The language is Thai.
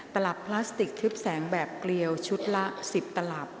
ตลับพลาสติกทึบแสงแบบเกลียวชุดละ๑๐ตลับ